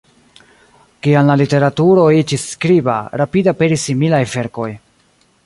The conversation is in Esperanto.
Kiam la literaturo iĝis skriba, rapide aperis similaj verkoj.